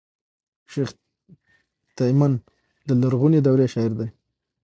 شېخ تیمن د لرغوني دورې شاعر دﺉ.